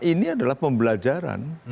ini adalah pembelajaran